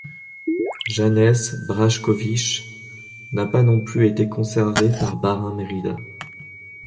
Janez Brajkovič n'a pas non plus été conservé par Bahrain-Merida.